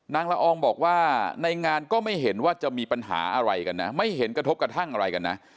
ละอองบอกว่าในงานก็ไม่เห็นว่าจะมีปัญหาอะไรกันนะไม่เห็นกระทบกระทั่งอะไรกันนะ